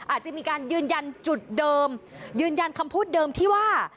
อาจจะมีการยืนยันจุดเดิมยืนยันคำพูดเดิมที่ว่า